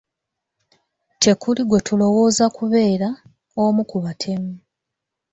Tekuli gwe tulowooza kubeera omu ku batemu.